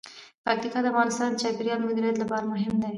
پکتیا د افغانستان د چاپیریال د مدیریت لپاره مهم دي.